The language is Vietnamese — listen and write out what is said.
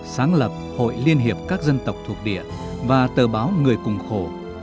sáng lập hội liên hiệp các dân tộc thuộc địa và tờ báo người cùng khổ